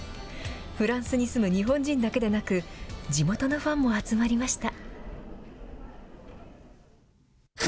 フランスに住む日本人だけでなく、地元のファンも集まりました。